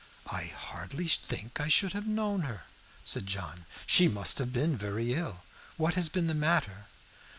"I hardly think I should have known her," said John. "She must have been very ill; what has been the matter?"